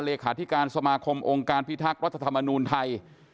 เลขาธิการสมาคมองค์การพิทักษ์รัฐธรรมนูลไทย